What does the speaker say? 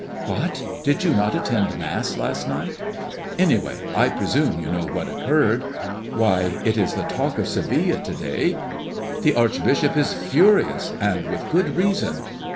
What! Did you not attend Mass last night? Anyway, I presume you know what occurred. Why, it is the talk of Seville to day. The archbishop is furious, and with good reason.